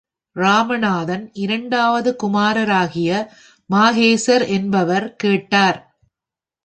ராமநாதன் இரண்டாவது குமாரராகிய மாஹேசர் என்பவர் கேட்டார்.